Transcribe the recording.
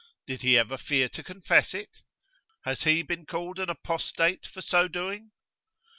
did he ever fear to confess it? has he been called an apostate for so doing?